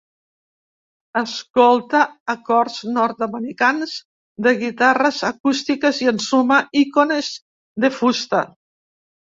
Escolta acords nord-americans de guitarres acústiques i ensuma icones de fusta.